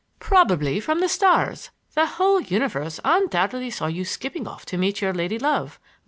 "Probably from the stars,—the whole universe undoubtedly saw you skipping off to meet your lady love.